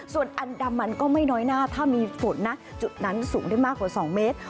ส่วนอันดามันก็ไม่น้อยหน้าถ้ามีฝนนะจุดนั้นสูงได้มากกว่า๒เมตร